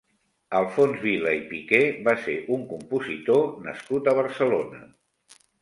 Alfons Vila i Piqué va ser un compositor nascut a Barcelona.